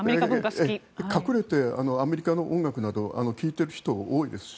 隠れてアメリカの音楽などを聴いている人多いですし